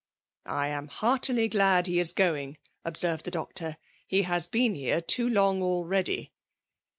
<^ I am heartily glad he is going !" ob tfel^cd the doctor. "He has been here too iMg already.